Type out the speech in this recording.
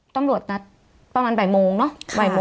ตำรวจนัดประมาณบ่ายโมงเนอะ